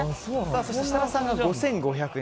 設楽さんが５５００円。